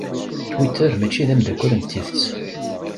Twitter mačči d amdakel n tidet.